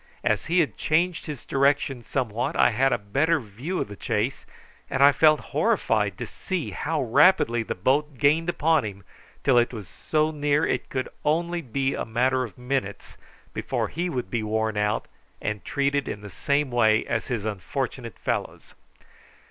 As he had changed his direction somewhat I had a better view of the chase, and I felt horrified to see how rapidly the boat gained upon him till it was so near that it could be only a matter of minutes before he would be worn out and treated in the same way as his unfortunate fellows.